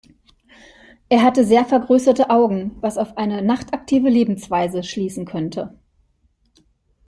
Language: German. Er hatte sehr vergrößerte Augen, was auf eine nachtaktive Lebensweise schließen könnte.